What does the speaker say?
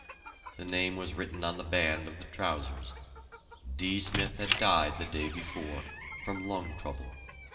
The name was written on the band of the trousers. D. Smith had died the day before, from lung trouble.